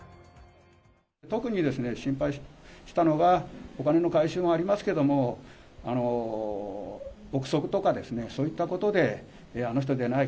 特に心配したのが、お金の回収もありますけども、臆測とかですね、そういったことで、あの人じゃない？